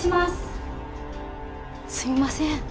すみません。